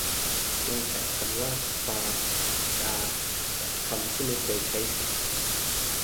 ลองแปะคำว่า ความ กับ การ กับคำที่ไม่เคยใช้สิ